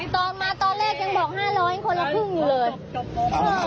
ผมเป็นคนง่ายเจ๊